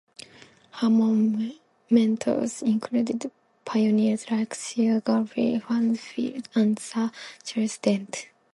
Her mentors included pioneers like Sir Godfrey Hounsfield and Sir Charles Dent.